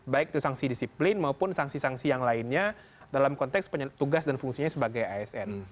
baik itu sanksi disiplin maupun sanksi sanksi yang lainnya dalam konteks tugas dan fungsinya sebagai asn